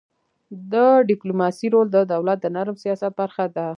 د ډيپلوماسی رول د دولت د نرم سیاست برخه ده.